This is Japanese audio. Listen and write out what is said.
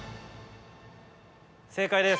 正解です。